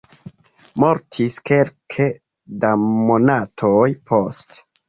Mortis kelke da monatoj poste.